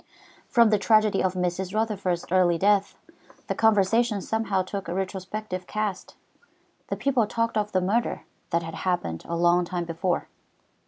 From the tragedy of Mrs. Rutherford's early death, the conversation somehow took a retrospective cast, and people talked of the murder that had happened a long time before.